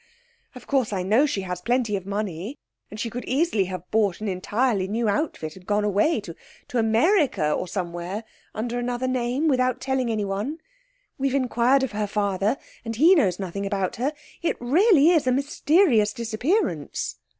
Of course, I know she has plenty of money, and she could easily have bought an entirely new outfit, and gone away to America or somewhere, under another name without telling anyone. We've inquired of her father, and he knows nothing about her. It really is a mysterious disappearance.'